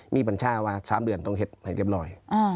มีบัญชาว่า๓เดือนต้องเห็ดให้เรียบร้อย